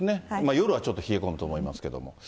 夜はちょっと冷え込むと思いますけど。